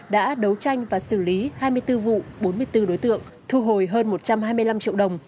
đã đấu tranh và xử lý hai mươi bốn vụ bốn mươi bốn đối tượng thu hồi hơn một trăm hai mươi năm triệu đồng